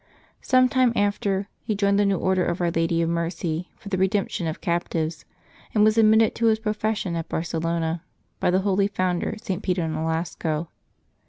Some time after, he joined the new Order of Our Lady of Mercy for the redemption of captives, and was admitted to his profession at Barcelona by the holy founder, St. Peter IN'olasco.